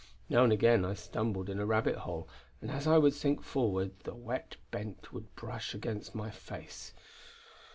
Now and again I stumbled in a rabbit hole, and as I would sink forward the wet bent would brush against my face.